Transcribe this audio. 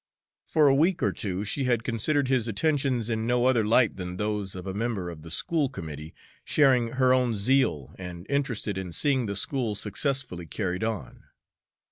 For a week or two she had considered his attentions in no other light than those of a member of the school committee sharing her own zeal and interested in seeing the school successfully carried on.